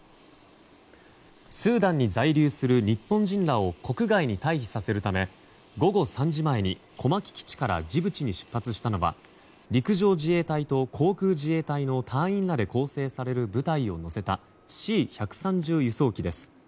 スーダンに在留する日本人らを国外に退避させるため午後３時前に小牧基地からジブチに出発したのは陸上自衛隊と航空自衛隊の隊員らで構成される部隊を乗せたＣ１３０輸送機です。